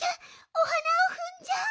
おはなをふんじゃう。